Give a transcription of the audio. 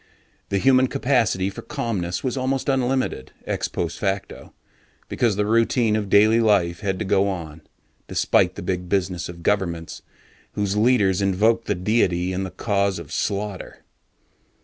The human capacity for calmness was almost unlimited, ex post facto, because the routine of daily living had to go on, despite the big business of governments whose leaders invoked the Deity in the cause of slaughter.